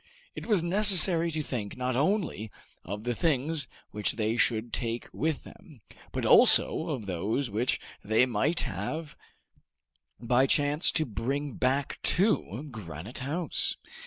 It was necessary to think not only of the things which they should take with them, but also of those which they might have by chance to bring back to Granite House.